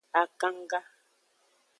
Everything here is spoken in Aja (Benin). Akanga.